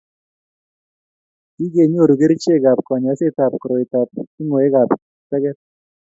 kikenyoru kerichekab kanyoisetab koroitab tunguyondetab teket.